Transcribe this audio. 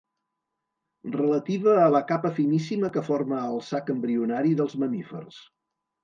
Relativa a la capa finíssima que forma el sac embrionari dels mamífers.